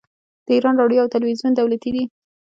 د ایران راډیو او تلویزیون دولتي دي.